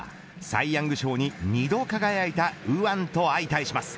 サイ・ヤング賞に２度輝いた右腕と相対します。